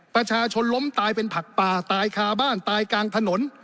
ประชาชนล้มตายเป็นผักป่าตายคาบ้านตายกลางถนน